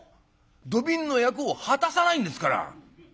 土瓶の役を果たさないんですから」。